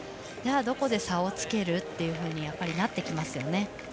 どこで差をつける？というふうになってきますよね。